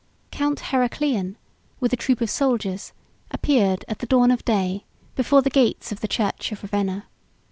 Count Heraclian, with a troop of soldiers, appeared, at the dawn of day, before the gates of the church of Ravenna.